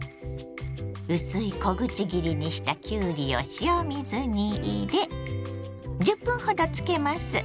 薄い小口切りにしたきゅうりを塩水に入れ１０分ほどつけます。